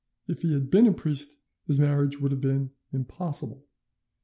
If he had been a priest his marriage would have been impossible.